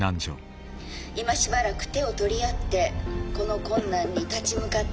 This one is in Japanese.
「今しばらく手を取り合ってこの困難に立ち向かっていただきたく思います」。